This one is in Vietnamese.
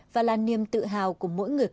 và là niềm tự hào của mỗi người con